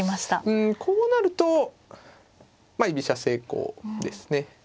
うんこうなるとまあ居飛車成功ですね。